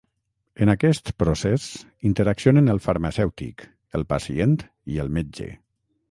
En aquest procés interaccionen el farmacèutic, el pacient i el metge.